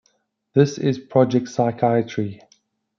This is Project Psychiatry.